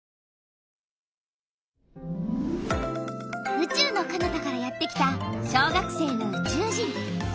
うちゅうのかなたからやってきた小学生のうちゅう人！